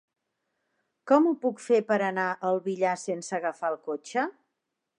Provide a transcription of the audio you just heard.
Com ho puc fer per anar al Villar sense agafar el cotxe?